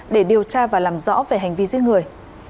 để điều tra và làm rõ về hành vi giết người